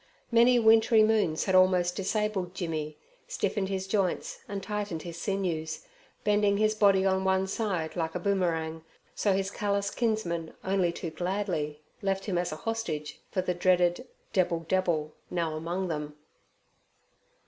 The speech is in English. Many wintry moons had almost disabled Jimmy, stiffened his joints and tightened his sinews, bending his body on one side like a boomerang, so his callous kinsmen only too gladly left him as hostage for the dreaded Debbil debbil now among them.